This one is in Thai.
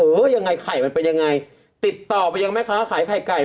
ยังไงไข่มันเป็นยังไงติดต่อไปยังแม่ค้าขายไข่ไก่